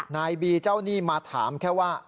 นายบีเจ้าหนี้มาถามแค่ว่า